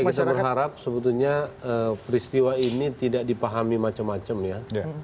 kita berharap sebetulnya peristiwa ini tidak dipahami macam macam ya